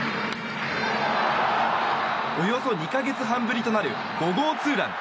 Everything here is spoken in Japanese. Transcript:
およそ２か月半ぶりとなる５号ツーラン。